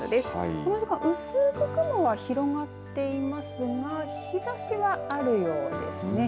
この時間薄く雲が広がっていますが日ざしがあるようですね。